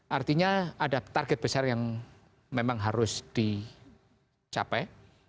artinya ada target besar yang memang harus dicapai